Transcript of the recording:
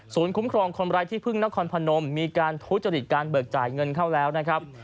คุ้มครองคนไร้ที่พึ่งนครพนมมีการทุจริตการเบิกจ่ายเงินเข้าแล้วนะครับ